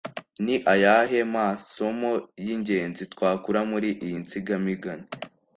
Ni ayahe masomo y’ingenzi twakura muri iyi nsigamigani?